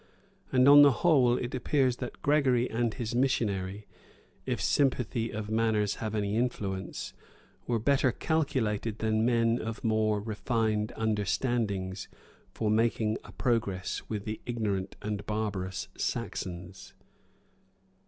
[] And on the whole it appears that Gregory and his missionary, if sympathy of manners have any influence, were better calculated than men of more refined understandings, for making a progress with the ignorant and barbarous Saxons.